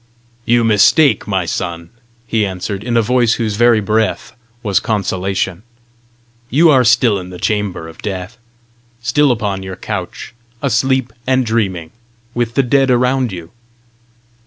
"You mistake, my son," he answered, in a voice whose very breath was consolation. "You are still in the chamber of death, still upon your couch, asleep and dreaming, with the dead around you."